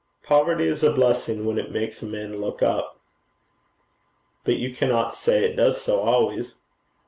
Poverty is a blessing when it makes a man look up.' 'But you cannot say it does so always.'